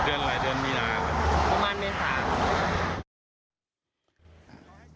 เดือนอะไรเดือนมีนาประมาณมีนสาม